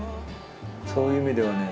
そういう意味ではね